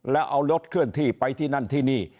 แล้วเอารถเคลื่อนที่ไปที่นั่นที่นี่